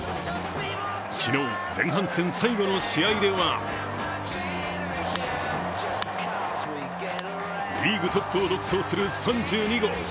昨日、前半戦最後の試合ではリーグトップを独走する３２号。